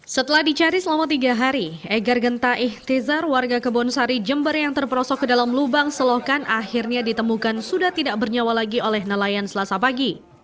setelah dicari selama tiga hari egar genta ihtizar warga kebonsari jember yang terperosok ke dalam lubang selokan akhirnya ditemukan sudah tidak bernyawa lagi oleh nelayan selasa pagi